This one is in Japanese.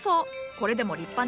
これでも立派な花。